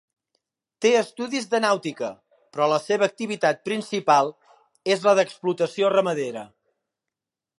Té estudis de nàutica, però la seva activitat principal és la de l'explotació ramadera.